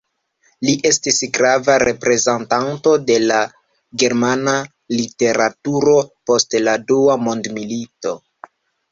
Li estis grava reprezentanto de la germana literaturo post la Dua mondmilito.